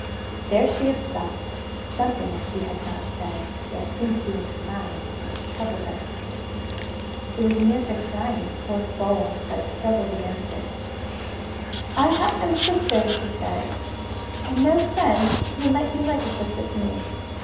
There she had stopped; something that she had not said, yet, seemed to be in her mind, and to trouble her. She was near to crying, poor soul, but struggled against it. "I have no sister," she said, "and no friend who might be like a sister to me.